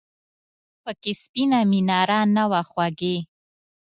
پکې سپینه میناره نه وه خوږې !